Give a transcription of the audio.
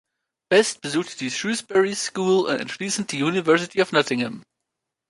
Best besuchte die Shrewsbury School und anschließend die University of Nottingham.